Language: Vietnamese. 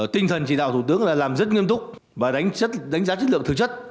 tinh thần chỉ đạo thủ tướng là làm rất nghiêm túc và đánh giá chất lượng thực chất